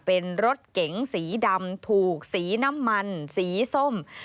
เป็นรถเก๋งสีดำถูกสีน้ำมันสีส้ม